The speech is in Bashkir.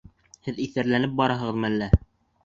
Һеҙ иҫәрләнеп бараһығыҙмы әллә?